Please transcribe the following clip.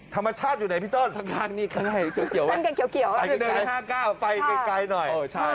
ธรรมชาติอยู่ไหนพี่ต้นทางข้างนี้ข้างในเกี่ยวไฟไกลหน่อยโอ้ใช่